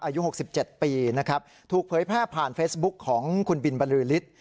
อายุ๖๗ปีนะครับถูกเผยแพร่ผ่านเฟซบุ๊คของคุณบินบรือฤทธิ์